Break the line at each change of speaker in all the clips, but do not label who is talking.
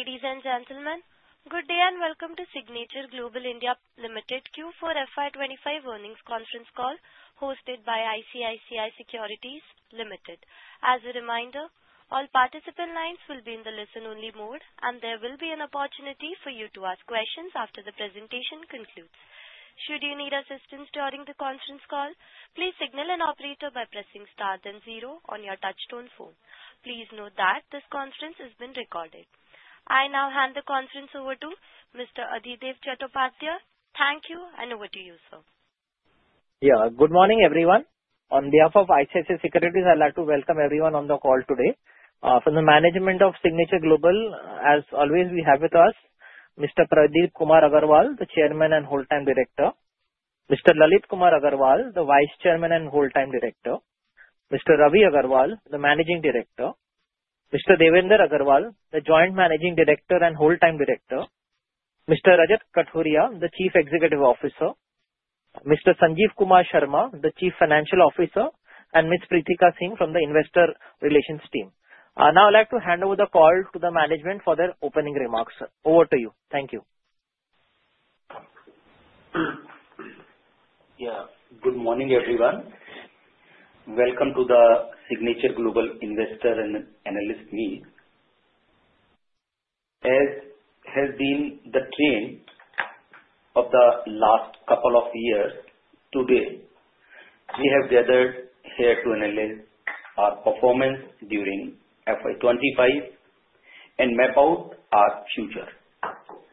Ladies and gentlemen, good day and welcome to Signature Global (India) Limited Q4 FY25 earnings conference call hosted by ICICI Securities Limited. As a reminder, all participant lines will be in the listen-only mode, and there will be an opportunity for you to ask questions after the presentation concludes. Should you need assistance during the conference call, please signal an operator by pressing star then zero on your touch-tone phone. Please note that this conference has been recorded. I now hand the conference over to Mr. Adhidev Chattopadhyay. Thank you, and over to you, sir.
Yeah, good morning everyone. On behalf of ICICI Securities, I'd like to welcome everyone on the call today. From the management of Signature Global, as always, we have with us Mr. Pradeep Kumar Aggarwal, the Chairman and Whole Time Director, Mr. Lalit Kumar Aggarwal, the Vice Chairman and Whole Time Director, Mr. Ravi Aggarwal, the Managing Director, Mr. Devendra Agarwal, the Joint Managing Director and Whole Time Director, Mr. Rajat Kathuria, the Chief Executive Officer, Mr. Sanjeev Kumar Sharma, the Chief Financial Officer, and Ms. Pritika Singh from the Investor Relations Team. Now I'd like to hand over the call to the management for their opening remarks. Over to you. Thank you.
Yeah, good morning everyone. Welcome to the Signature Global Investor and Analyst meeting. As has been the trend of the last couple of years, today we have gathered here to analyze our performance during FY25 and map out our future,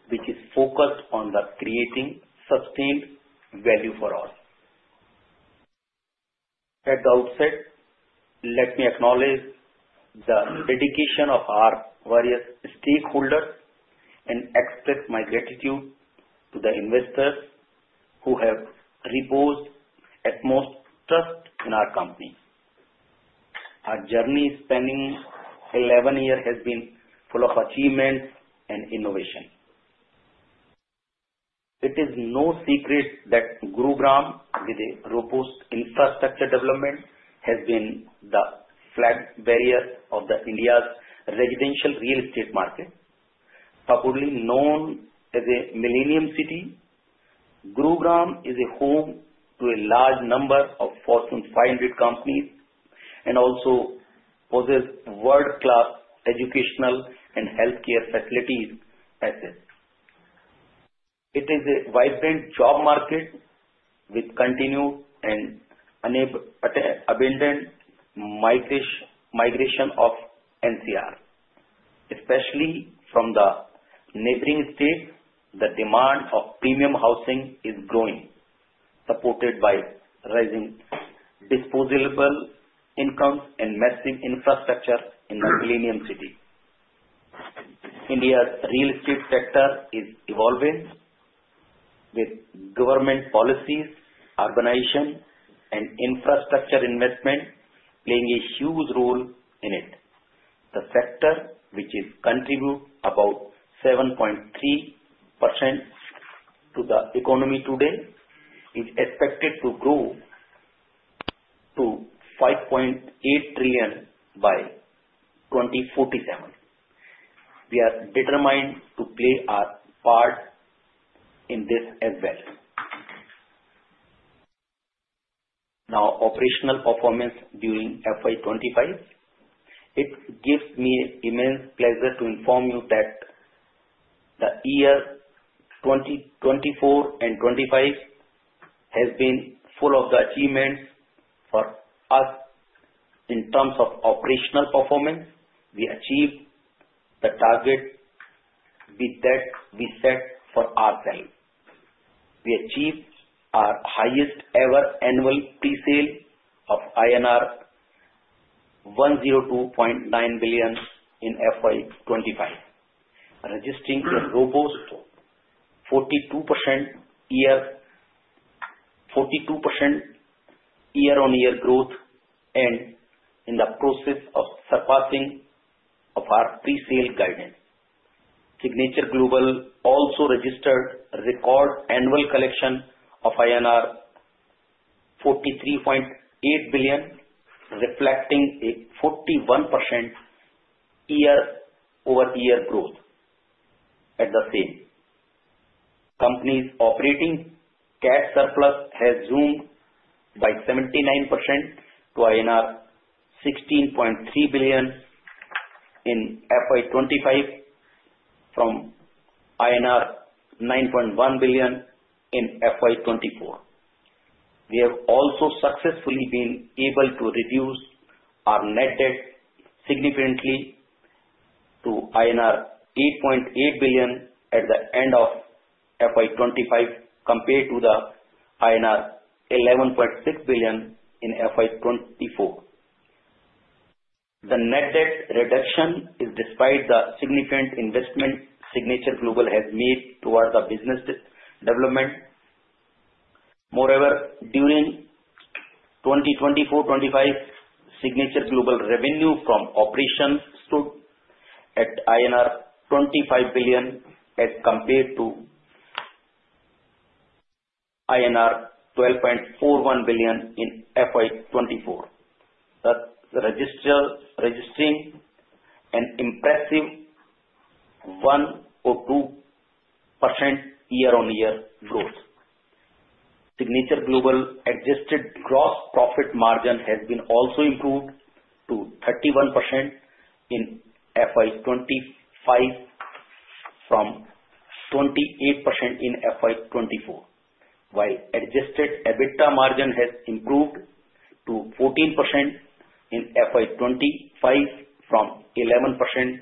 which is focused on creating sustained value for all. At the outset, let me acknowledge the dedication of our various stakeholders and express my gratitude to the investors who have reposed utmost trust in our company. Our journey spanning 11 years has been full of achievements and innovation. It is no secret that Gurugram, with a robust infrastructure development, has been the flag bearer of India's residential real estate market. Properly known as a Millennium City, Gurugram is home to a large number of Fortune 500 companies and also possesses world-class educational and healthcare facilities. It is a vibrant job market with continued and abundant migration of NCR, especially from the neighboring states. The demand for premium housing is growing, supported by rising disposable incomes and massive infrastructure in the Millennium City. India's real estate sector is evolving with government policies, urbanization, and infrastructure investment playing a huge role in it. The sector, which contributes about 7.3% to the economy today, is expected to grow to INR 5.8 trillion by 2047. We are determined to play our part in this as well. Now, operational performance during FY25, it gives me immense pleasure to inform you that the year 2024 and 2025 has been full of the achievements for us. In terms of operational performance, we achieved the target that we set for ourselves. We achieved our highest ever annual pre-sale of INR 102.9 billion in FY25, registering a robust 42% year-on-year growth and in the process of surpassing our pre-sale guidance. Signature Global also registered a record annual collection of INR 43.8 billion, reflecting a 41% year-over-year growth at the same. Company's operating cash surplus has zoomed by 79% to INR 16.3 billion in FY25 from INR 9.1 billion in FY24. We have also successfully been able to reduce our net debt significantly to INR 8.8 billion at the end of FY25 compared to the INR 11.6 billion in FY24. The net debt reduction is despite the significant investment Signature Global has made toward the business development. Moreover, during 2024-25, Signature Global revenue from operations stood at INR 25 billion as compared to INR 12.41 billion in FY24, registering an impressive 102% year-on-year growth. Signature Global's adjusted gross profit margin has been also improved to 31% in FY25 from 28% in FY24, while adjusted EBITDA margin has improved to 14% in FY25 from 11%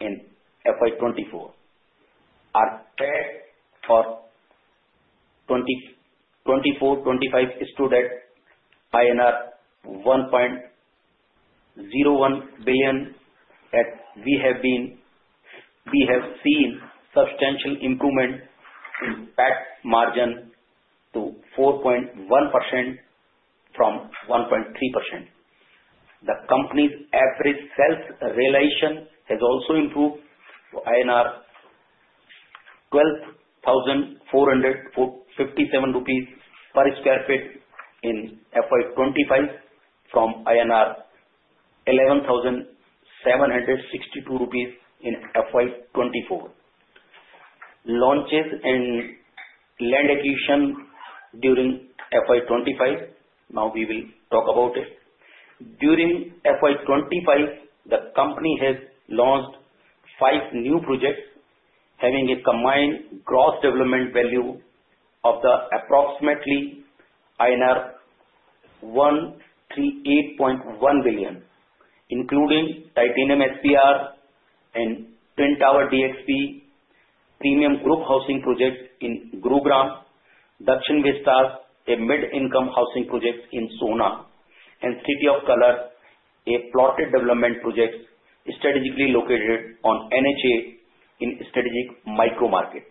in FY24. Our PAT for 2024-25 stood at INR 1.01 billion, and we have seen substantial improvement in PAT margin to 4.1% from 1.3%. The company's average sales realization has also improved to 12,457 rupees per sq ft in FY25 from 11,762 rupees in FY24. Launches and land acquisition during FY25, now we will talk about it. During FY25, the company has launched five new projects, having a combined gross development value of approximately INR 138.1 billion, including Titanium SPR and Twin Tower DXP, Premium Group Housing Project in Gurugram, DAXIN Vistas, a mid-income housing project in Sohna, and City of Colours, a plotted development project strategically located on NH-8 in strategic micro market.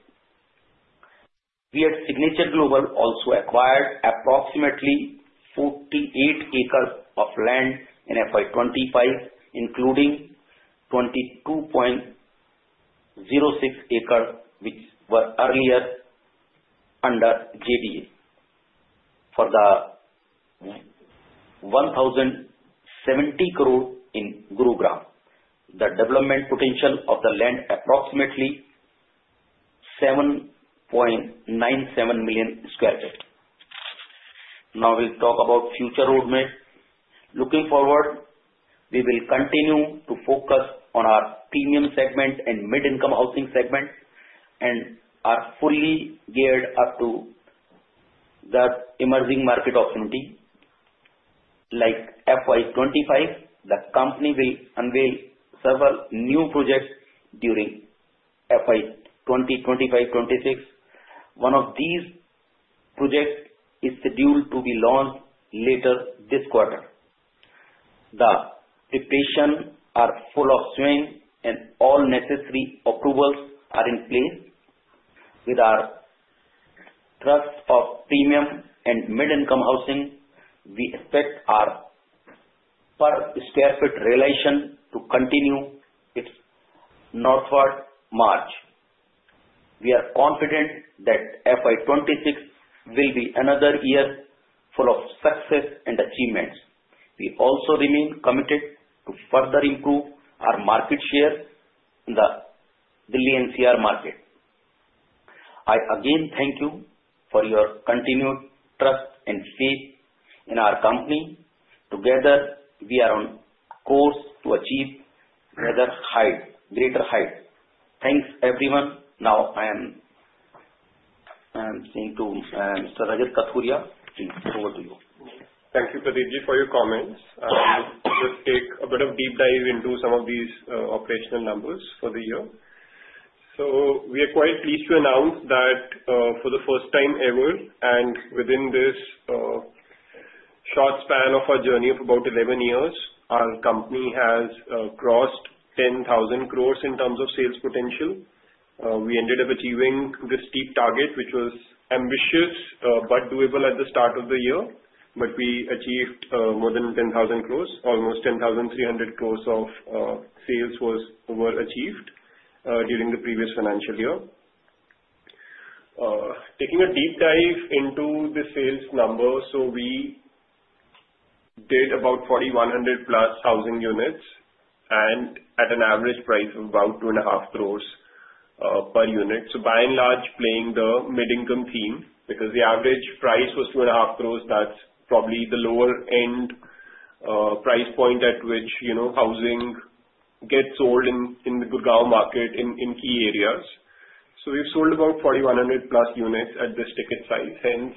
We at Signature Global also acquired approximately 48 acres of land in FY25, including 22.06 acres which were earlier under JDA for 1,070 crore in Gurugram. The development potential of the land is approximately 7.97 million sq ft. Now we'll talk about future roadmap. Looking forward, we will continue to focus on our premium segment and mid-income housing segment and are fully geared up to the emerging market opportunity. Like FY25, the company will unveil several new projects during FY25-26. One of these projects is scheduled to be launched later this quarter. The preparations are in full swing, and all necessary approvals are in place. With our thrust on premium and mid-income housing, we expect our per square foot realization to continue its northward march. We are confident that FY26 will be another year full of success and achievements. We also remain committed to further improve our market share in the Delhi NCR market. I again thank you for your continued trust and faith in our company. Together, we are on course to achieve greater heights. Thanks, everyone. Now, I am saying to Mr. Rajat Kathuria, please over to you.
Thank you, Pradeep Ji, for your comments. Let's take a bit of a deep dive into some of these operational numbers for the year. So we are quite pleased to announce that for the first time ever, and within this short span of our journey of about 11 years, our company has crossed 10,000 crores in terms of sales potential. We ended up achieving this deep target, which was ambitious but doable at the start of the year. But we achieved more than 10,000 crores. Almost 10,300 crores of sales were achieved during the previous financial year. Taking a deep dive into the sales numbers, so we did about 4,100+ housing units at an average price of about 2.5 crores per unit. By and large, playing the mid-income theme because the average price was 2.5 crores, that's probably the lower-end price point at which housing gets sold in the Gurugram market in key areas. So we've sold about 4,100 plus units at this ticket size, hence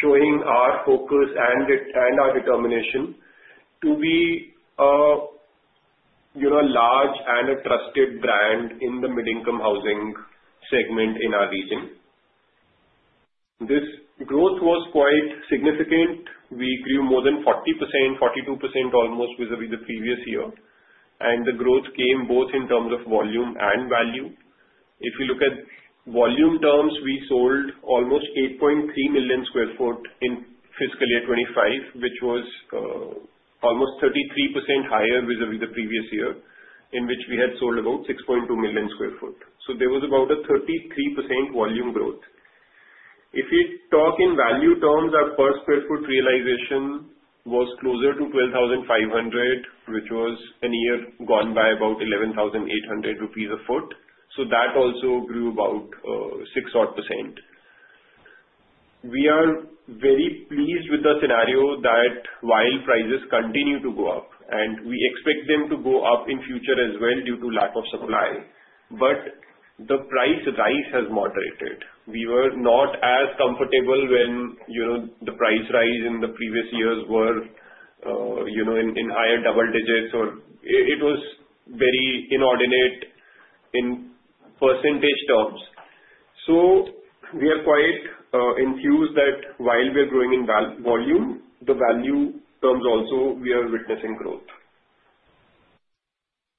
showing our focus and our determination to be a large and a trusted brand in the mid-income housing segment in our region. This growth was quite significant. We grew more than 40%, 42% almost, vis-à-vis the previous year. And the growth came both in terms of volume and value. If you look at volume terms, we sold almost 8.3 million sq ft in fiscal year 25, which was almost 33% higher vis-à-vis the previous year, in which we had sold about 6.2 million sq ft. So there was about a 33% volume growth. If you talk in value terms, our per sq ft realization was closer to 12,500, which was a year gone by about 11,800 rupees a sq ft. So that also grew about 6 odd %. We are very pleased with the scenario that while prices continue to go up, and we expect them to go up in future as well due to lack of supply, but the price rise has moderated. We were not as comfortable when the price rise in the previous years was in higher double digits. It was very inordinate in percentage terms. So we are quite enthused that while we are growing in volume, the value terms also we are witnessing growth.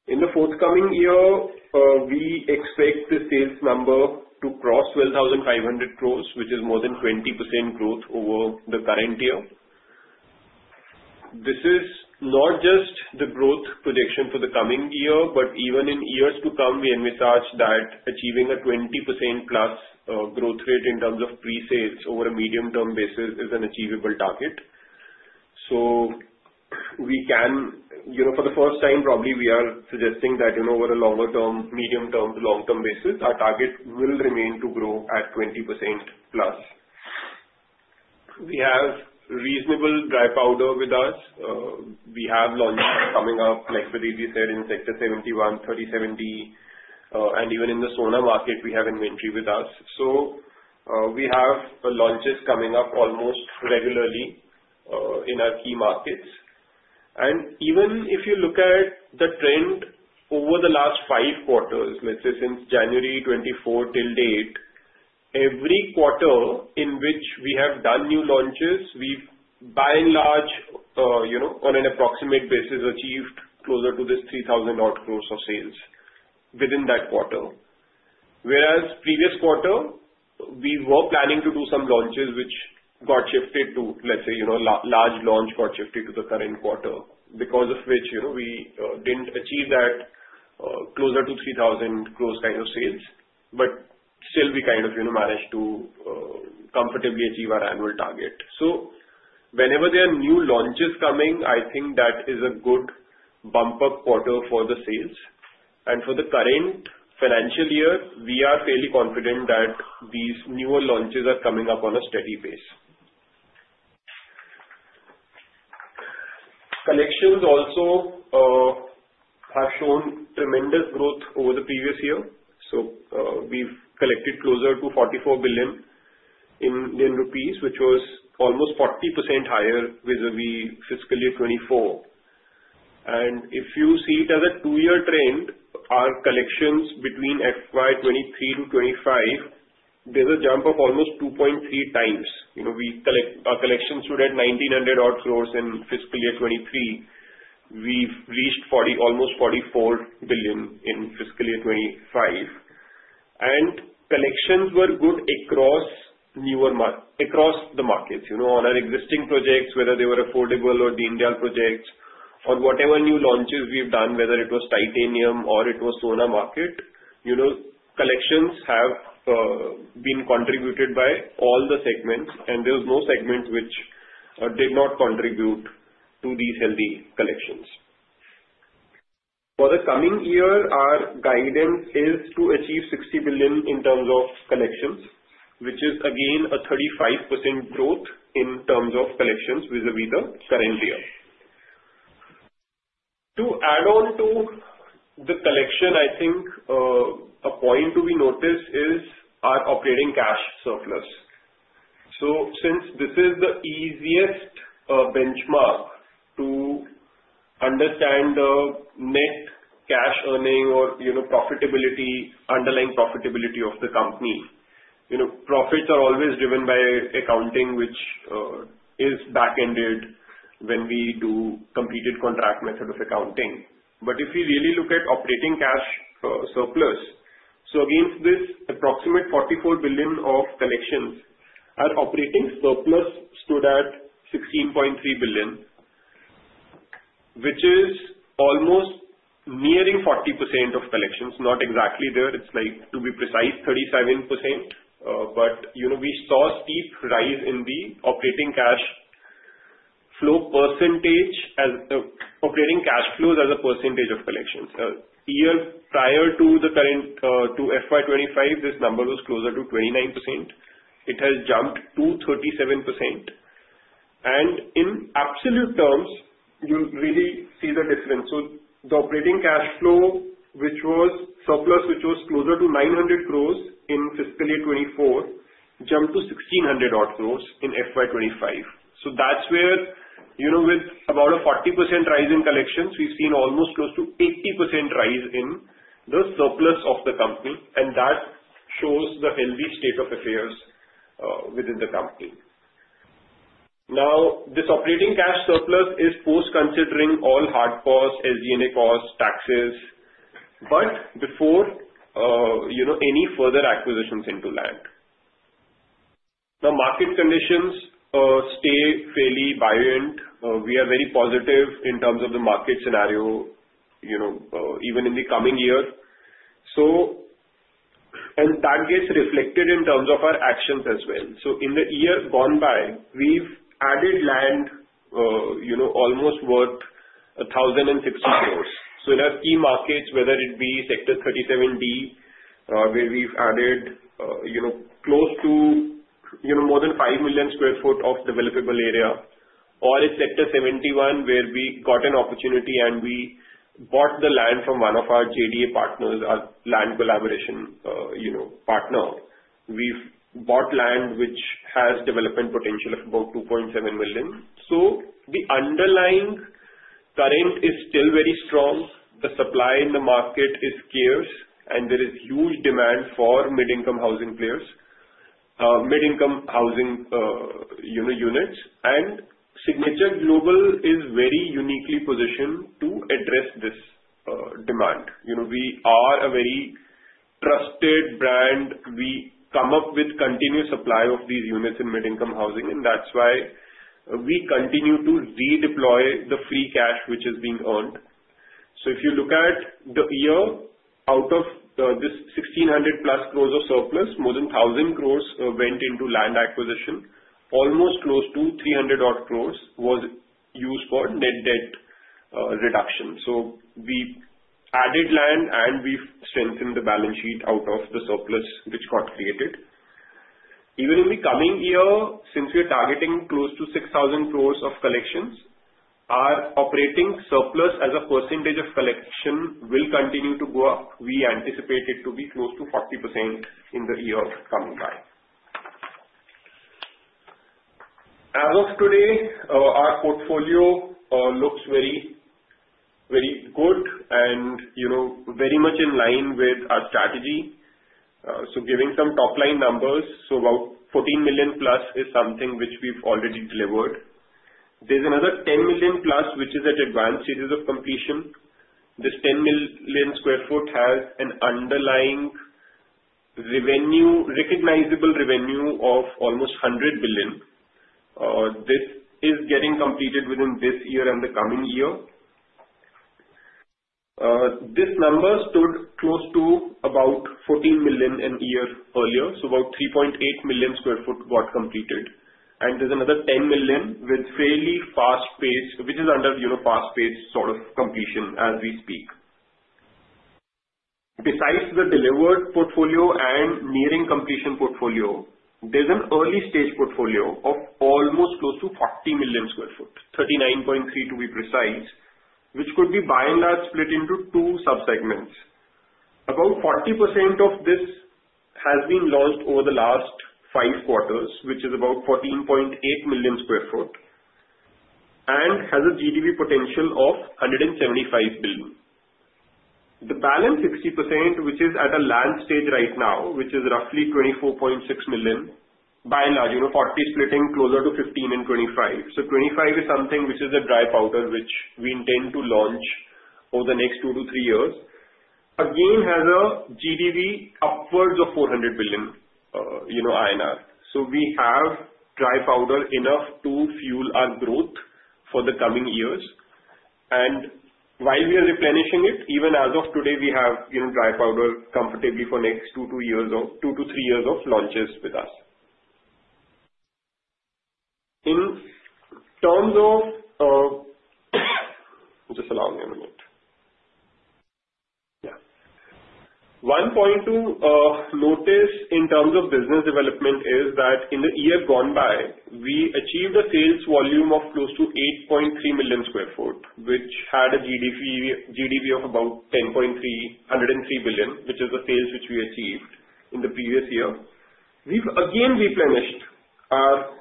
In the forthcoming year, we expect the sales number to cross 12,500 crores, which is more than 20% growth over the current year. This is not just the growth projection for the coming year, but even in years to come, we envisage that achieving a 20% plus growth rate in terms of pre-sales over a medium-term basis is an achievable target. So we can, for the first time, probably we are suggesting that over a longer-term, medium-term, long-term basis, our target will remain to grow at 20% plus. We have reasonable dry powder with us. We have launches coming up, like Pradeep Ji said, in Sector 71, 37D, and even in the Sohna market, we have inventory with us. So we have launches coming up almost regularly in our key markets. Even if you look at the trend over the last five quarters, let's say since January 2024 till date, every quarter in which we have done new launches, we've by and large, on an approximate basis, achieved closer to this 3,000-odd crore of sales within that quarter. Whereas previous quarter, we were planning to do some launches, which got shifted to, let's say, large launch got shifted to the current quarter, because of which we didn't achieve that closer to 3,000 crore kind of sales. But still, we kind of managed to comfortably achieve our annual target. Whenever there are new launches coming, I think that is a good bump-up quarter for the sales. For the current financial year, we are fairly confident that these newer launches are coming up on a steady pace. Collections also have shown tremendous growth over the previous year. We've collected closer to 44 billion rupees, which was almost 40% higher vis-à-vis fiscal year 2024. If you see it as a two-year trend, our collections between FY 2023 to 2025, there's a jump of almost 2.3 times. Our collections stood at 1,900 odd crores in fiscal year 2023. We've reached almost 44 billion in fiscal year 2025. Collections were good across the markets, on our existing projects, whether they were affordable or the Deen Dayal projects, or whatever new launches we've done, whether it was Titanium or it was Sohna market. Collections have been contributed by all the segments, and there was no segment which did not contribute to these healthy collections. For the coming year, our guidance is to achieve 60 billion in terms of collections, which is again a 35% growth in terms of collections vis-à-vis the current year. To add on to the collection, I think a point to be noticed is our operating cash surplus. So since this is the easiest benchmark to understand the net cash earning or underlying profitability of the company, profits are always driven by accounting, which is back-ended when we do completed contract method of accounting. But if you really look at operating cash surplus, so against this approximate 44 billion of collections, our operating surplus stood at 16.3 billion, which is almost nearing 40% of collections. Not exactly there. It's like, to be precise, 37%. But we saw a steep rise in the operating cash flow percentage as operating cash flows as a percentage of collections. A year prior to FY25, this number was closer to 29%. It has jumped to 37%. And in absolute terms, you'll really see the difference. So the operating cash flow, which was surplus, which was closer to 900 crores in fiscal year 2024, jumped to 1,600-odd crores in FY 2025. So that's where with about a 40% rise in collections, we've seen almost close to 80% rise in the surplus of the company. And that shows the healthy state of affairs within the company. Now, this operating cash surplus is post-considering all hard costs, SG&A costs, taxes, but before any further acquisitions into land. Now, market conditions stay fairly buoyant. We are very positive in terms of the market scenario, even in the coming year. And that gets reflected in terms of our actions as well. So in the year gone by, we've added land almost worth 1,060 crores. In our key markets, whether it be Sector 37D, where we've added close to more than five million sq ft of developable area, or in Sector 71, where we got an opportunity and we bought the land from one of our JDA partners, our land collaboration partner, we've bought land which has development potential of about 2.7 million. The underlying current is still very strong. The supply in the market is scarce, and there is huge demand for mid-income housing players, mid-income housing units. Signature Global is very uniquely positioned to address this demand. We are a very trusted brand. We come up with continuous supply of these units in mid-income housing, and that's why we continue to redeploy the free cash which is being earned. So if you look at the year out of this 1,600+ crores of surplus, more than 1,000 crores went into land acquisition. Almost close to 300 odd crores was used for net debt reduction. So we added land, and we've strengthened the balance sheet out of the surplus which got created. Even in the coming year, since we are targeting close to 6,000 crores of collections, our operating surplus as a percentage of collection will continue to go up. We anticipate it to be close to 40% in the year coming by. As of today, our portfolio looks very good and very much in line with our strategy. So giving some top-line numbers, so about 14 million+ is something which we've already delivered. There's another 10 million+, which is at advanced stages of completion. This 10 million sq ft has an underlying recognizable revenue of almost 100 billion. This is getting completed within this year and the coming year. This number stood close to about 14 million a year earlier. So about 3.8 million sq ft got completed. And there's another 10 million sq ft with fairly fast pace, which is under fast pace sort of completion as we speak. Besides the delivered portfolio and nearing completion portfolio, there's an early stage portfolio of almost close to 40 million sq ft, 39.3 to be precise, which could be by and large split into two subsegments. About 40% of this has been launched over the last five quarters, which is about 14.8 million sq ft and has a GDV potential of 175 billion. The balance 60%, which is at a land stage right now, which is roughly 24.6 million by and large, 40 splitting closer to 15 and 25. So 25 is something which is a dry powder which we intend to launch over the next two to three years. Again, has a GDGDV upwards of 400 billion. So we have dry powder enough to fuel our growth for the coming years. And while we are replenishing it, even as of today, we have dry powder comfortably for next two to three years of launches with us. In terms of just allow me a minute. Yeah. One point to notice in terms of business development is that in the year gone by, we achieved a sales volume of close to 8.3 million sq ft, which had a GDV of about 10.3 billion, which is the sales which we achieved in the previous year. We've again replenished our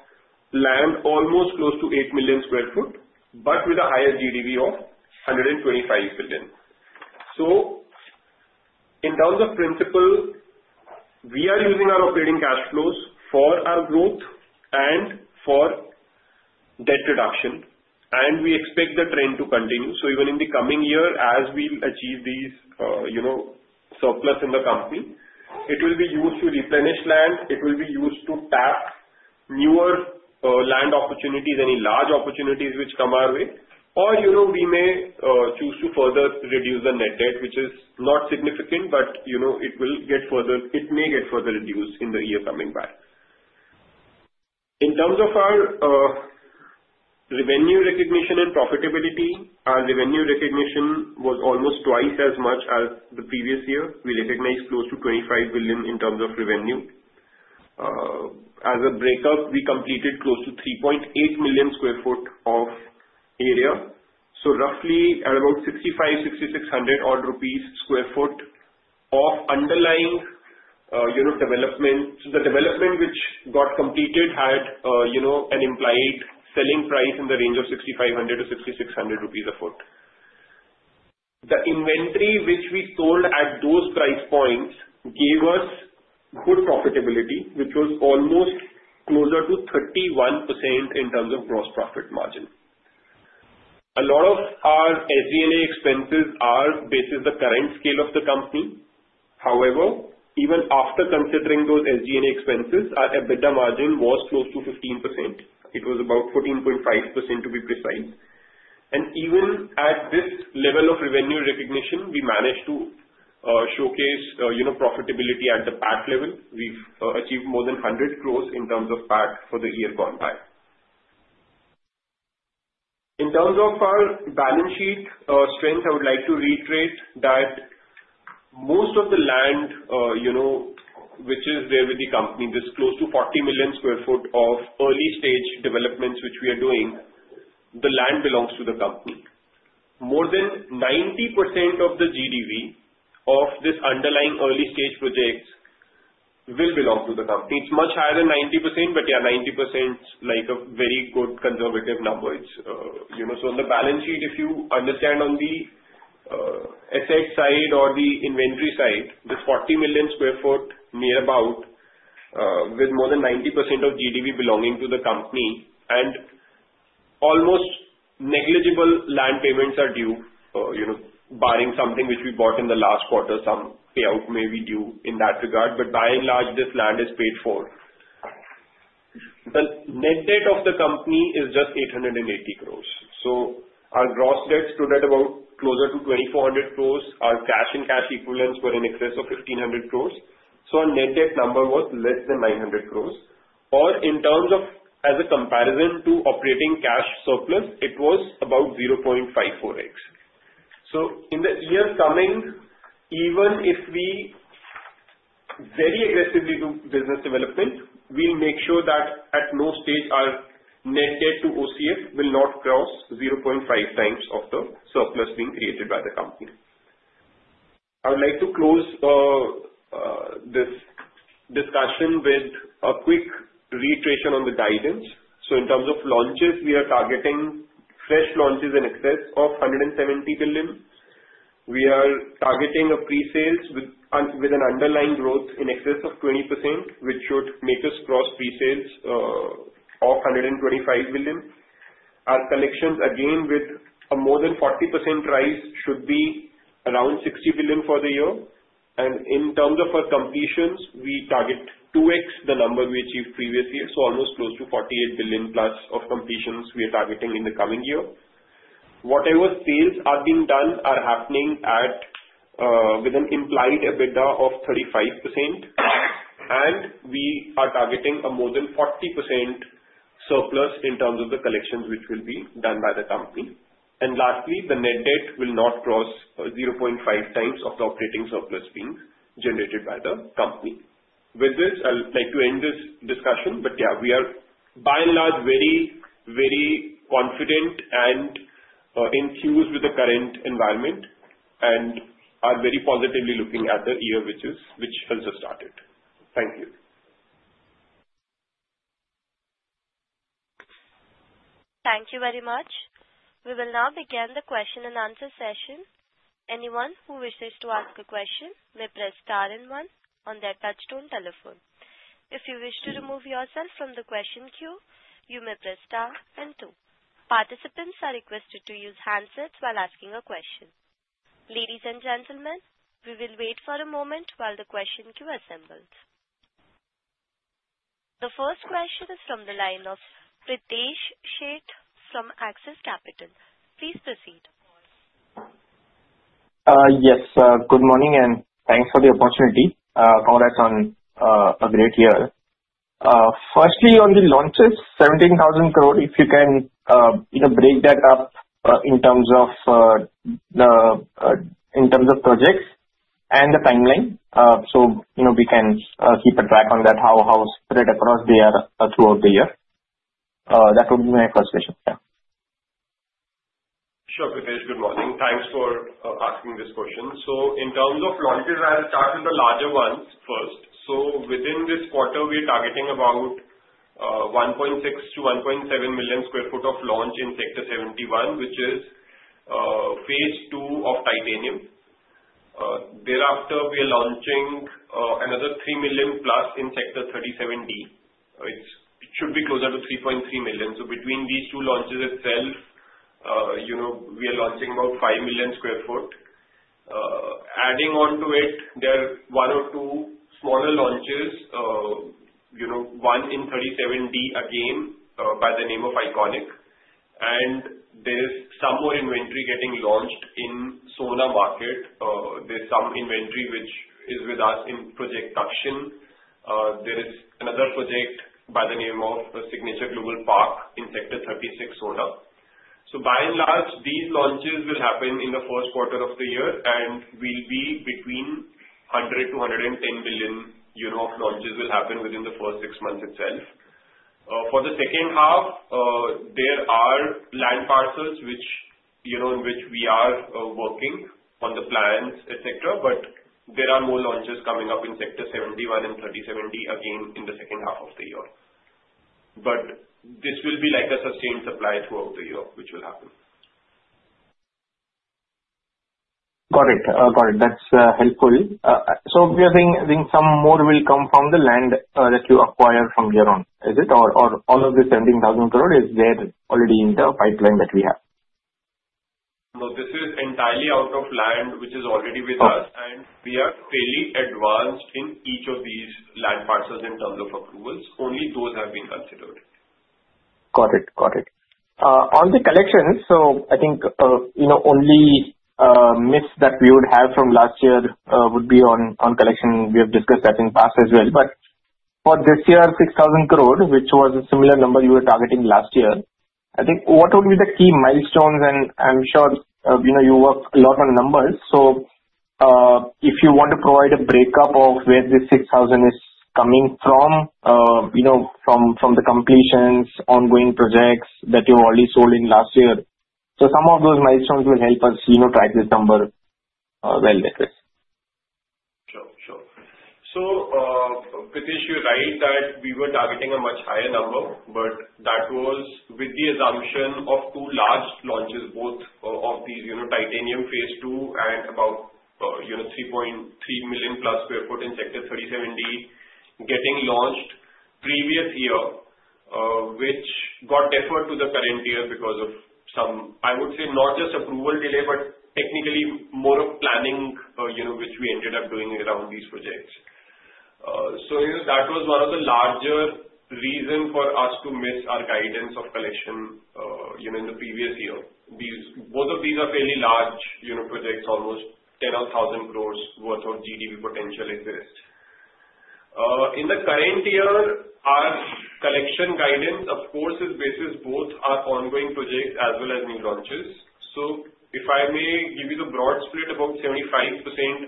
land almost close to 8 million sq ft, but with a higher GDV of 125 billion. So in terms of principle, we are using our operating cash flows for our growth and for debt reduction. And we expect the trend to continue. So even in the coming year, as we achieve these surplus in the company, it will be used to replenish land. It will be used to tap newer land opportunities, any large opportunities which come our way. Or we may choose to further reduce the net debt, which is not significant, but it will get further reduced in the coming year. In terms of our revenue recognition and profitability, our revenue recognition was almost twice as much as the previous year. We recognized close to 25 billion in terms of revenue. As a breakdown, we completed close to 3.8 million sq ft of area. So roughly at about 6,500-6,600-odd rupees per sq ft of underlying development. So the development which got completed had an implied selling price in the range of 6,500-6,600 rupees per sq ft. The inventory which we sold at those price points gave us good profitability, which was almost closer to 31% in terms of gross profit margin. A lot of our SG&A expenses are based on the current scale of the company. However, even after considering those SG&A expenses, our EBITDA margin was close to 15%. It was about 14.5% to be precise. Even at this level of revenue recognition, we managed to showcase profitability at the PAT level. We've achieved more than 100 crores in terms of PAT for the year gone by. In terms of our balance sheet strength, I would like to reiterate that most of the land which is there with the company, this close to 40 million sq ft of early stage developments which we are doing, the land belongs to the company. More than 90% of the GDV of this underlying early stage projects will belong to the company. It's much higher than 90%, but yeah, 90% is a very good conservative number. So on the balance sheet, if you understand on the asset side or the inventory side, this 40 million sq ft near about with more than 90% of GDV belonging to the company and almost negligible land payments are due, barring something which we bought in the last quarter, some payout may be due in that regard. But by and large, this land is paid for. The net debt of the company is just 880 crores. So our gross debt stood at about closer to 2,400 crores. Our cash and cash equivalents were in excess of 1,500 crores. So our net debt number was less than 900 crores. Or in terms of as a comparison to operating cash surplus, it was about 0.54x. So in the year coming, even if we very aggressively do business development, we'll make sure that at no stage our net debt to OCF will not cross 0.5 times of the surplus being created by the company. I would like to close this discussion with a quick reiteration on the guidance. So in terms of launches, we are targeting fresh launches in excess of 170 billion. We are targeting a pre-sales with an underlying growth in excess of 20%, which should make us cross pre-sales of 125 billion. Our collections, again, with a more than 40% rise, should be around 60 billion for the year. And in terms of our completions, we target 2x the number we achieved previous year. So almost close to 48 billion plus of completions we are targeting in the coming year. Whatever sales are being done are happening with an implied EBITDA of 35%. And we are targeting a more than 40% surplus in terms of the collections which will be done by the company. And lastly, the net debt will not cross 0.5 times of the operating surplus being generated by the company. With this, I'd like to end this discussion. But yeah, we are by and large very, very confident and enthused with the current environment and are very positively looking at the year which has just started. Thank you.
Thank you very much. We will now begin the question and answer session. Anyone who wishes to ask a question may press star and one on their touch-tone telephone. If you wish to remove yourself from the question queue, you may press star and two. Participants are requested to use handsets while asking a question. Ladies and gentlemen, we will wait for a moment while the question queue assembles. The first question is from the line of Pritesh Sheth from Axis Capital. Please proceed.
Yes, good morning and thanks for the opportunity. Congrats on a great year. Firstly, on the launches, 17,000 crore, if you can break that up in terms of the projects and the timeline, so we can keep a track on that, how spread across they are throughout the year. That would be my first question.
Yeah. Sure, Pratish. Good morning. Thanks for asking this question. So in terms of launches, I'll start with the larger ones first. So within this quarter, we are targeting about 1.6-1.7 million sq ft of launch in Sector 71, which is phase two of Titanium. Thereafter, we are launching another 3 million plus in Sector 37D. It should be closer to 3.3 million. Between these two launches itself, we are launching about 5 million sq ft. Adding on to it, there are one or two smaller launches, one in 37D again by the name of Iconic. And there is some more inventory getting launched in Sohna market. There is some inventory which is with us in project DAXIN. There is another project by the name of Signature Global Park in Sector 36, Sona. By and large, these launches will happen in the first quarter of the year, and we'll be between 100-110 billion of launches will happen within the first six months itself. For the second half, there are land parcels in which we are working on the plans, etc. But there are more launches coming up in Sector 71 and 37D again in the second half of the year. But this will be like a sustained supply throughout the year, which will happen.
Got it. Got it. That's helpful. So we are thinking some more will come from the land that you acquire from here on, is it? Or all of this 17,000 crore is there already in the pipeline that we have?
No, this is entirely out of land which is already with us. And we are fairly advanced in each of these land parcels in terms of approvals. Only those have been considered.
Got it. Got it. On the collections, so I think only miss that we would have from last year would be on collections. We have discussed that in the past as well, but for this year, 6,000 crore, which was a similar number you were targeting last year, I think what would be the key milestones? And I'm sure you work a lot on numbers. So if you want to provide a break-up of where this 6,000 is coming from, from the completions, ongoing projects that you've already sold in last year. So some of those milestones will help us track this number well later.
Sure. Sure. So Pratish, you're right that we were targeting a much higher number, but that was with the assumption of two large launches, both of these Titanium Phase Two and about 3.3 million-plus sq ft in Sector 37D getting launched previous year, which got deferred to the current year because of some, I would say, not just approval delay, but technically more of planning which we ended up doing around these projects. So that was one of the larger reasons for us to miss our guidance of collection in the previous year. Both of these are fairly large projects, almost 10,000 crores worth of GDV potential exist. In the current year, our collection guidance, of course, is based on both our ongoing projects as well as new launches. So if I may give you the broad split, about 75% collection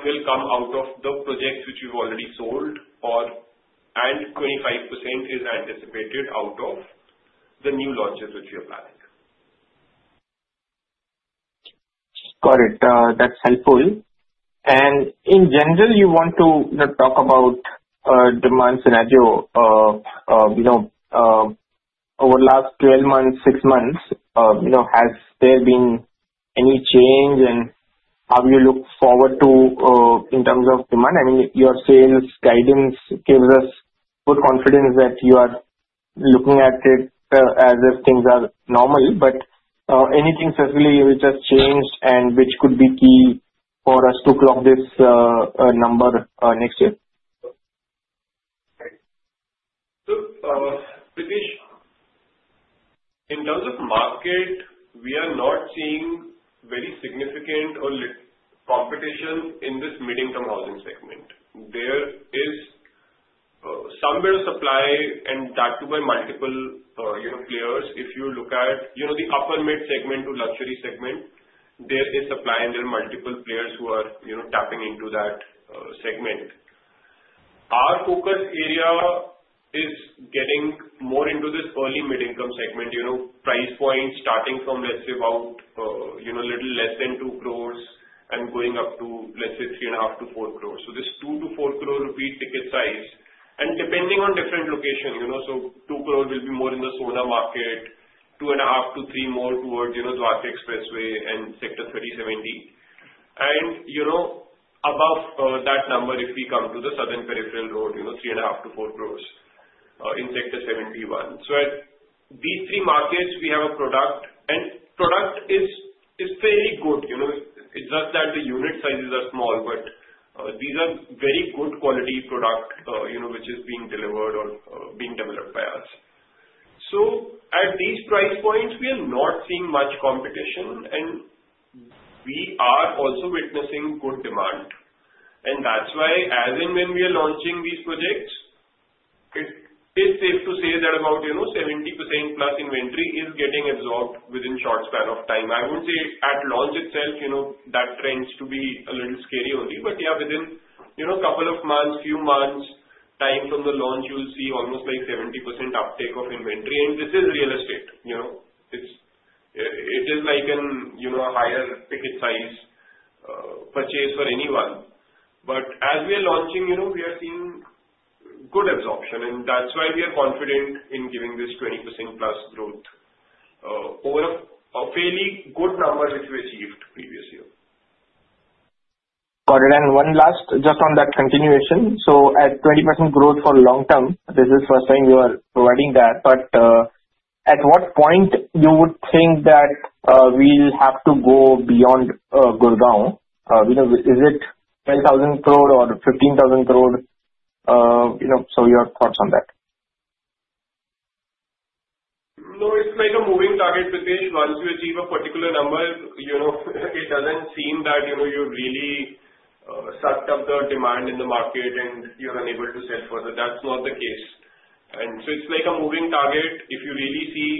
will come out of the projects which we've already sold, and 25% is anticipated out of the new launches which we are planning.
Got it. That's helpful. And in general, you want to talk about demand scenario over the last 12 months, six months. Has there been any change in how you look forward to in terms of demand? I mean, your sales guidance gives us good confidence that you are looking at it as if things are normal. But anything specifically which has changed and which could be key for us to clock this number next year?
In terms of market, we are not seeing very significant competition in this mid-income housing segment. There is some bit of supply, and that too by multiple players. If you look at the upper-mid segment to luxury segment, there is supply, and there are multiple players who are tapping into that segment. Our focus area is getting more into this early mid-income segment, price points starting from, let's say, about a little less than 2 crores and going up to, let's say, 3.5-4 crores. So this 2-4 crore rupee ticket size. And depending on different location, so 2 crore will be more in the Sohna market, 2.5-3 more towards Dwarka Expressway and Sector 37D. And above that number, if we come to the Southern Peripheral Road, 3.5-4 crores in Sector 71. So at these three markets, we have a product. And product is fairly good. It's just that the unit sizes are small, but these are very good quality product which is being delivered or being developed by us. So at these price points, we are not seeing much competition, and we are also witnessing good demand. And that's why, as in when we are launching these projects, it is safe to say that about 70% plus inventory is getting absorbed within a short span of time. I would say at launch itself, that trends to be a little scary only. But yeah, within a couple of months, few months' time from the launch, you'll see almost like 70% uptake of inventory. And this is real estate. It is like a higher ticket size purchase for anyone. But as we are launching, we are seeing good absorption. And that's why we are confident in giving this 20% plus growth over a fairly good number which we achieved previous year.
Got it. And one last, just on that continuation. So at 20% growth for long term, this is the first time you are providing that. But at what point you would think that we'll have to go beyond Gurgaon? Is it 12,000 crore or 15,000 crore? So your thoughts on that.
No, it's like a moving target, Pratish. Once you achieve a particular number, it doesn't seem that you've really sucked up the demand in the market and you're unable to sell further. That's not the case. And so it's like a moving target. If you really see,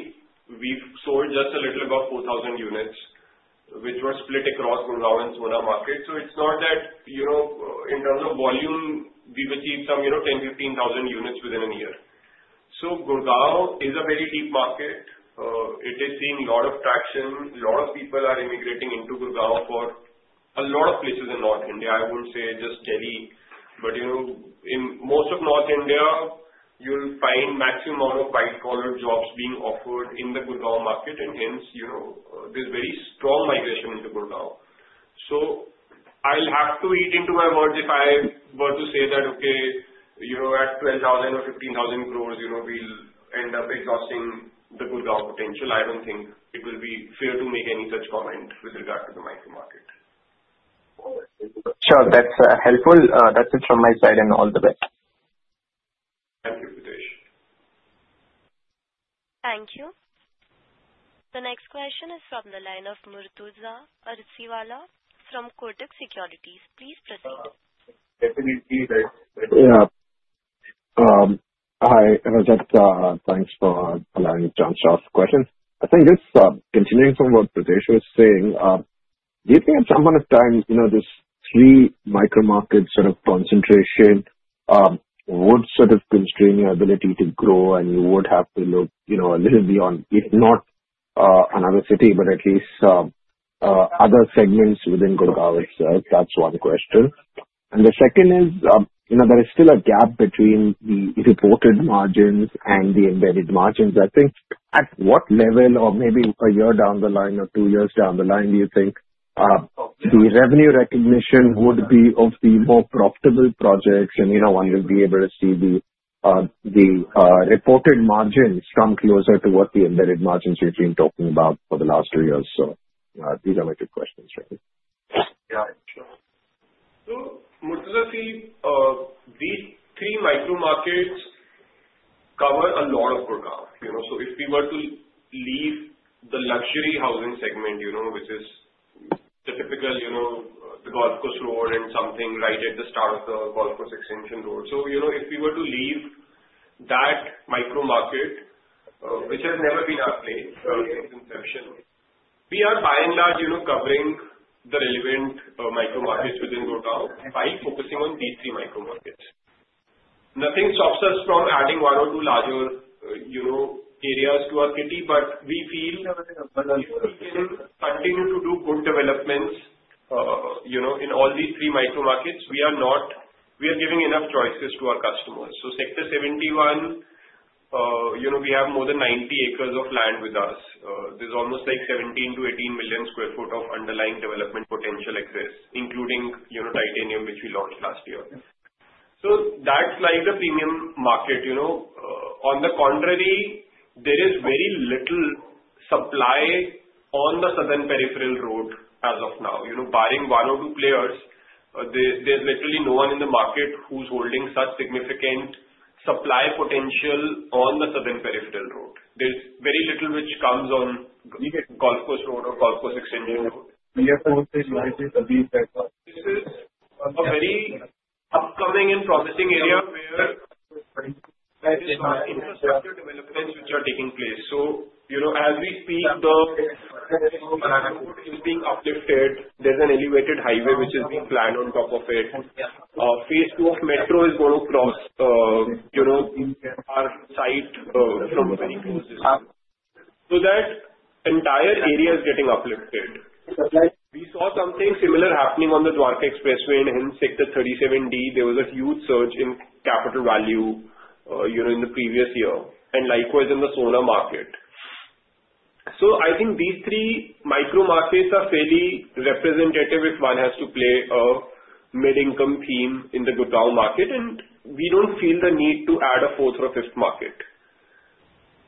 we've sold just a little above 4,000 units, which were split across Gurgaon and Sona market. It's not that in terms of volume, we've achieved some 10,000, 15,000 units within a year. Gurgaon is a very deep market. It is seeing a lot of traction. A lot of people are migrating into Gurugram from a lot of places in North India. I won't say just Delhi. But in most of North India, you'll find a maximum amount of white-collar jobs being offered in the Gurugram market. And hence, there's very strong migration into Gurugram. I'll have to eat my words if I were to say that, okay, at 12,000 or 15,000 crores, we'll end up exhausting the Gurugram potential. I don't think it will be fair to make any such comment with regard to the micro market.
Sure. That's helpful. That's it from my side and all the best.
Thank you, Pratish. Thank you.
The next question is from the line of Murtuza Arsiwala from Kotak Securities. Please proceed.
Definitely. Hi. Thanks for allowing me to answer your question. I think just continuing from what Pratish was saying, do you think at some point of time, this three micro markets sort of concentration would sort of constrain your ability to grow, and you would have to look a little beyond, if not another city, but at least other segments within Gurugram itself? That's one question, and the second is there is still a gap between the reported margins and the embedded margins. I think at what level, or maybe a year down the line or two years down the line, do you think the revenue recognition would be of the more profitable projects? And when you'll be able to see the reported margins come closer to what the embedded margins you've been talking about for the last two years? So these are my two questions.
Yeah. Sure. So Murtuza's team, these three micro markets cover a lot of Gurgaon. So if we were to leave the luxury housing segment, which is the typical Golf Course Road and something right at the start of the Golf Course Extension Road. So if we were to leave that micro market, which has never been our play since inception, we are by and large covering the relevant micro markets within Gurgaon by focusing on these three micro markets. Nothing stops us from adding one or two larger areas to our kitty, but we feel if we can continue to do good developments in all these three micro markets, we are giving enough choices to our customers. So Sector 71, we have more than 90 acres of land with us. There's almost like 17 to 18 million sq ft of underlying development potential exists, including Titanium, which we launched last year. So that's like the premium market. On the contrary, there is very little supply on the Southern Peripheral Road as of now. Barring one or two players, there's literally no one in the market who's holding such significant supply potential on the Southern Peripheral Road. There's very little which comes on Golf Course Road or Golf Course Extension Road. Yes, I would say it's very upcoming and promising area where there are infrastructure developments which are taking place. So as we speak, the Southern Peripheral Road is being uplifted. There's an elevated highway which is being planned on top of it. Phase two of Metro is going to cross our site from very close distance. So that entire area is getting uplifted. We saw something similar happening on the Dwarka Expressway and hence Sector 37D. There was a huge surge in capital value in the previous year, and likewise in the Sona market. So I think these three micro markets are fairly representative if one has to play a mid-income theme in the Gurgaon market, and we don't feel the need to add a fourth or fifth market.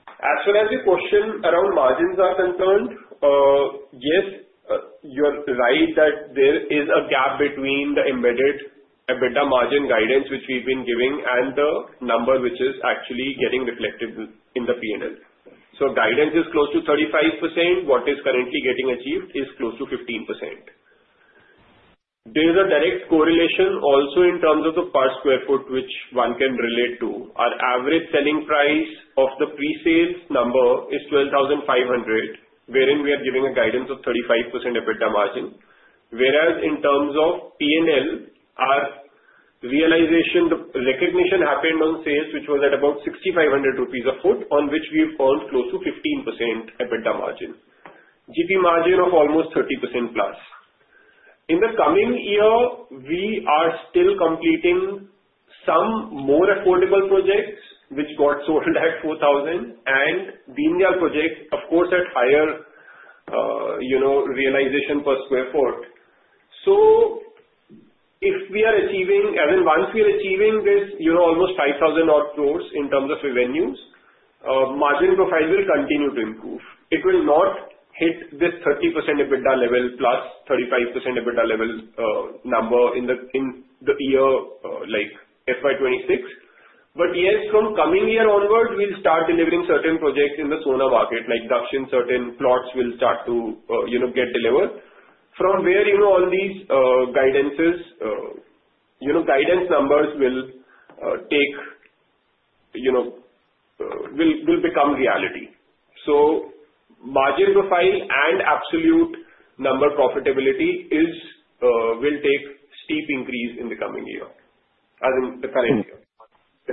As far as the question around margins are concerned, yes, you're right that there is a gap between the embedded EBITDA margin guidance which we've been giving and the number which is actually getting reflected in the P&L. So guidance is close to 35%. What is currently getting achieved is close to 15%. There is a direct correlation also in terms of the per sq ft which one can relate to. Our average selling price of the pre-sales number is 12,500, wherein we are giving a guidance of 35% EBITDA margin. Whereas in terms of P&L, our realization, the recognition happened on sales, which was at about 6,500 rupees a foot, on which we have earned close to 15% EBITDA margin, GP margin of almost 30%+. In the coming year, we are still completing some more affordable projects which got sold at 4,000 and Deen Dayal Jan Awas Yojana project, of course, at higher realization per square foot. So if we are achieving, as in once we are achieving this almost 5,000 odd crores in terms of revenues, margin profile will continue to improve. It will not hit this 30% EBITDA level plus 35% EBITDA level number in the year FY26. But yes, from coming year onward, we'll start delivering certain projects in the Sona market, like Dakshin. Certain plots will start to get delivered, from where all these guidance numbers will become reality. So margin profile and absolute number profitability will take steep increase in the coming year, as in the current year.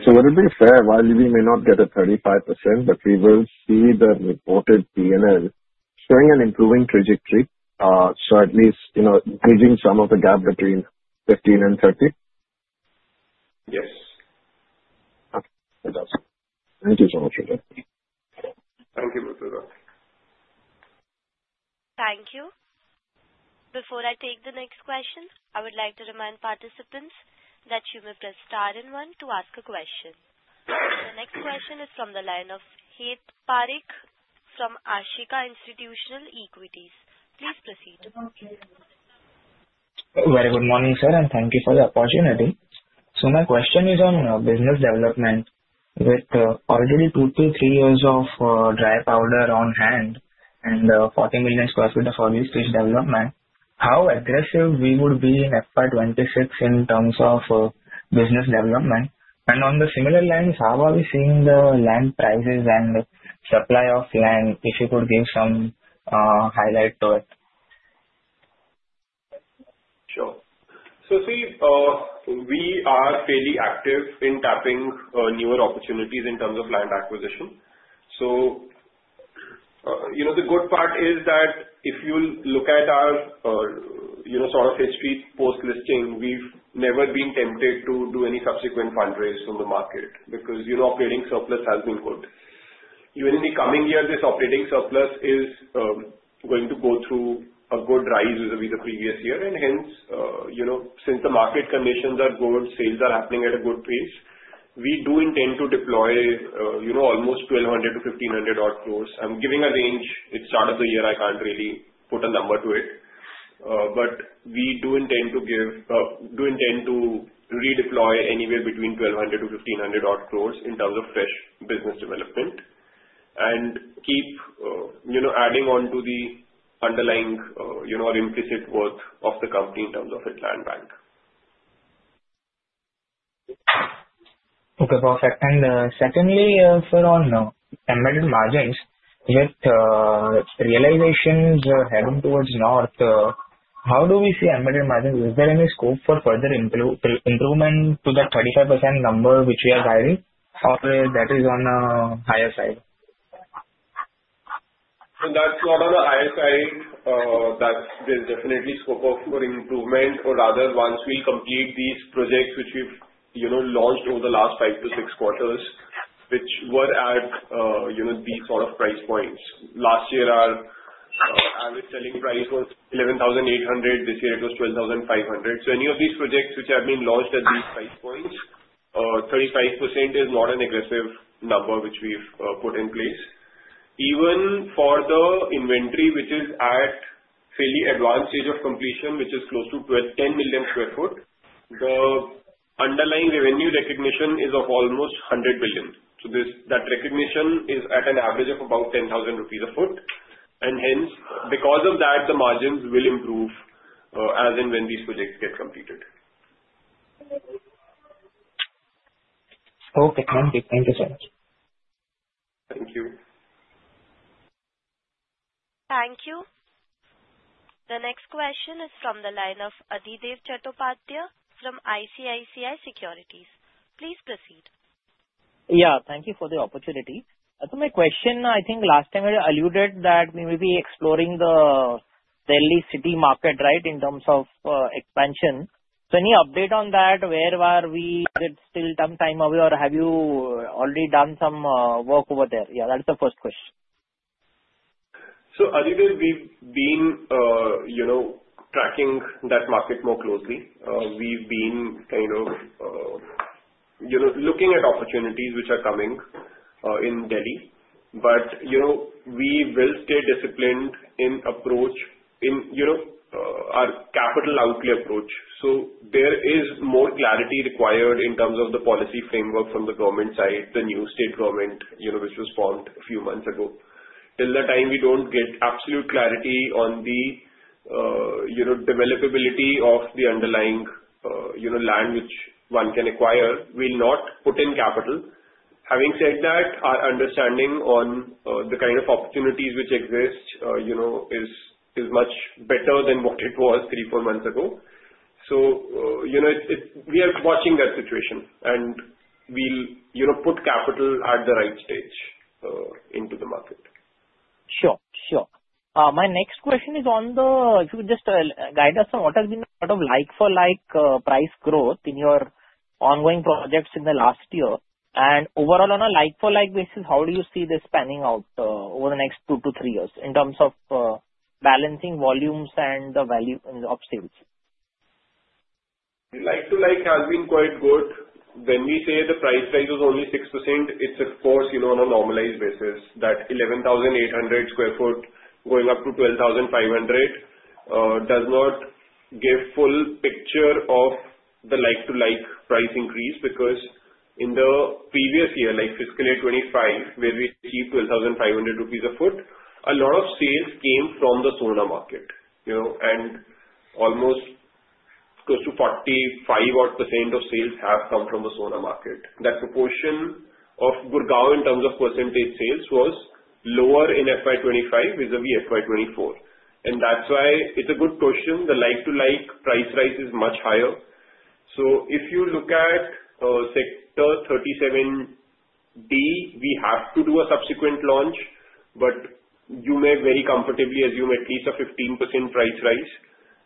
So would it be fair while we may not get a 35%, but we will see the reported P&L showing an improving trajectory, so at least bridging some of the gap between 15% and 30%? Yes. Okay. That's all.
Thank you so much, Pratish.
Thank you, Murtuza.
Thank you. Before I take the next question, I would like to remind participants that you may press star and one to ask a question. The next question is from the line of Tirth Parikh from Ashika Institutional Equities. Please proceed.
Very good morning, sir, and thank you for the opportunity. So my question is on business development. With already two to three years of dry powder on hand and 40 million sq ft of early stage development, how aggressive would we be in FY26 in terms of business development? And on the similar lines, how are we seeing the land prices and supply of land, if you could give some highlight to it?
Sure. So see, we are fairly active in tapping newer opportunities in terms of land acquisition. So the good part is that if you look at our sort of history post-listing, we've never been tempted to do any subsequent fundraise from the market because operating surplus has been good. Even in the coming year, this operating surplus is going to go through a good rise with the previous year. And hence, since the market conditions are good, sales are happening at a good pace, we do intend to deploy almost 1,200-1,500 odd crores. I'm giving a range. It's start of the year. I can't really put a number to it. But we do intend to redeploy anywhere between 1,200-1,500 odd crores in terms of fresh business development and keep adding on to the underlying or implicit worth of the company in terms of its land bank.
Okay. Perfect. And secondly, for all embedded margins, with realizations heading towards north, how do we see embedded margins? Is there any scope for further improvement to that 35% number which we are driving, or that is on the higher side?
So that's not on the higher side. There's definitely scope for improvement. Or rather, once we complete these projects which we've launched over the last five to six quarters, which were at these sort of price points. Last year, our average selling price was ₹11,800. This year, it was ₹12,500. So any of these projects which have been launched at these price points, 35% is not an aggressive number which we've put in place. Even for the inventory, which is at fairly advanced stage of completion, which is close to 10 million sq ft, the underlying revenue recognition is of almost ₹100 billion. So that recognition is at an average of about ₹10,000 a foot. And hence, because of that, the margins will improve as and when these projects get completed.
Okay. Thank you. Thank you so much.
Thank you.
Thank you. The next question is from the line of Adhidev Chattopadhyay from ICICI Securities. Please proceed.
Yeah. Thank you for the opportunity. So my question, I think last time we alluded that we will be exploring the Delhi city market, right, in terms of expansion. So any update on that? Where were we? Is it still some time away, or have you already done some work over there? Yeah, that's the first question.
So Adhidev, we've been tracking that market more closely. We've been kind of looking at opportunities which are coming in Delhi. But we will stay disciplined in approach, in our capital outlay approach. So there is more clarity required in terms of the policy framework from the government side, the new state government, which was formed a few months ago. Until that time, we don't get absolute clarity on the developability of the underlying land which one can acquire. We'll not put in capital. Having said that, our understanding on the kind of opportunities which exist is much better than what it was three, four months ago. So we are watching that situation, and we'll put capital at the right stage into the market.
Sure. Sure. My next question is on the, if you could just guide us on what has been sort of like-for-like price growth in your ongoing projects in the last year, and overall, on a like-for-like basis, how do you see this panning out over the next two to three years in terms of balancing volumes and the value of sales?
Like-for-like has been quite good. When we say the price rise was only 6%, it's of course on a normalized basis. That 11,800 sq ft going up to 12,500 does not give full picture of the like-for-like price increase because in the previous year, like fiscal year 25, where we achieved 12,500 rupees a sq ft, a lot of sales came from the Sohna market. And almost close to 45 odd% of sales have come from the Sohna market. That proportion of Gurugram in terms of percentage sales was lower in FY25 vis-à-vis FY24. And that's why it's a good question. The like-for-like price rise is much higher. So if you look at Sector 37D, we have to do a subsequent launch, but you may very comfortably assume at least a 15% price rise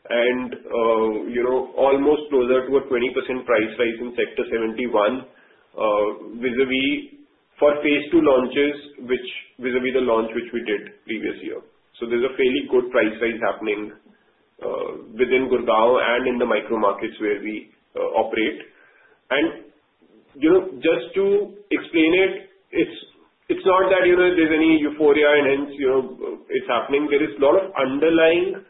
and almost closer to a 20% price rise in Sector 71 vis-à-vis for phase two launches, which vis-à-vis the launch which we did previous year. So there's a fairly good price rise happening within Gurgaon and in the micro markets where we operate. And just to explain it, it's not that there's any euphoria and hence it's happening. There is a lot of underlying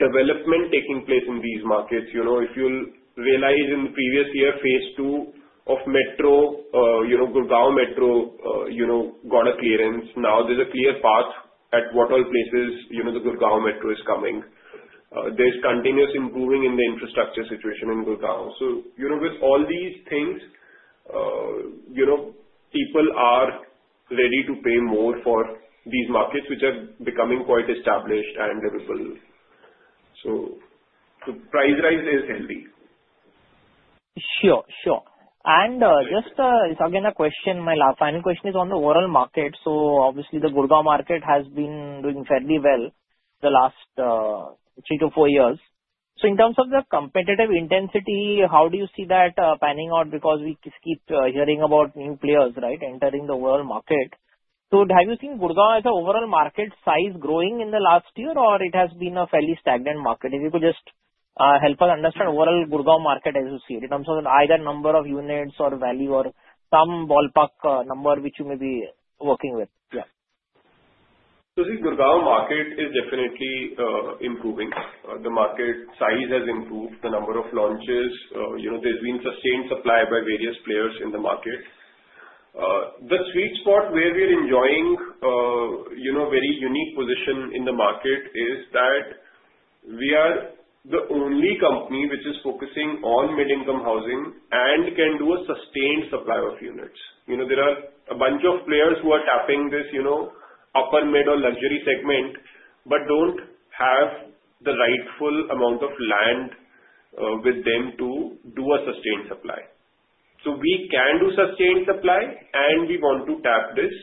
development taking place in these markets. If you realize in the previous year, phase two of Metro, Gurgaon Metro got a clearance. Now there's a clear path at what all places the Gurgaon Metro is coming. There's continuous improving in the infrastructure situation in Gurgaon. So with all these things, people are ready to pay more for these markets which are becoming quite established and livable. So the price rise is healthy.
Sure. Sure. And just again, a question, my final question is on the overall market. So obviously, the Gurgaon market has been doing fairly well the last three to four years. So in terms of the competitive intensity, how do you see that panning out? Because we keep hearing about new players entering the overall market. So have you seen Gurugram as an overall market size growing in the last year, or it has been a fairly stagnant market? If you could just help us understand overall Gurugram market as you see it in terms of either number of units or value or some ballpark number which you may be working with. Yeah.
So the Gurugram market is definitely improving. The market size has improved. The number of launches, there's been sustained supply by various players in the market. The sweet spot where we are enjoying a very unique position in the market is that we are the only company which is focusing on mid-income housing and can do a sustained supply of units. There are a bunch of players who are tapping this upper mid or luxury segment but don't have the rightful amount of land with them to do a sustained supply. So we can do sustained supply, and we want to tap this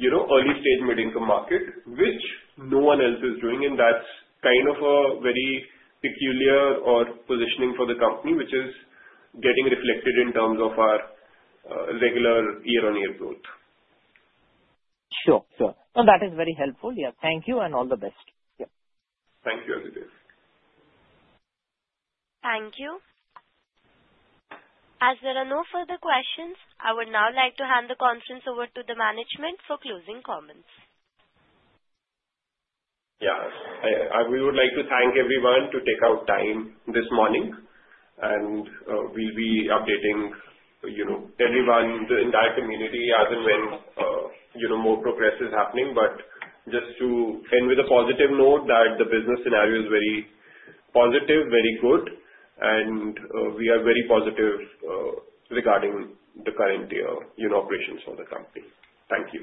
early stage mid-income market, which no one else is doing. And that's kind of a very peculiar positioning for the company, which is getting reflected in terms of our regular year-on-year growth.
Sure. Sure. No, that is very helpful. Yeah. Thank you and all the best. Yeah.
Thank you, Adhidev.
Thank you. As there are no further questions, I would now like to hand the conference over to the management for closing comments.
Yeah. We would like to thank everyone to take our time this morning, and we'll be updating everyone, the entire community, as and when more progress is happening. But just to end with a positive note that the business scenario is very positive, very good, and we are very positive regarding the current year operations for the company. Thank you.